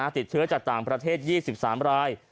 ติดเชื้อจากต่างประเทศ๒๓ราย